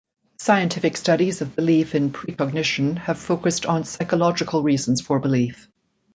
Scientific studies of belief in precognition have focused on psychological reasons for belief.